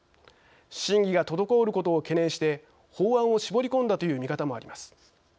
審議が滞ることを懸念して法案を絞り込んだという見方もあります。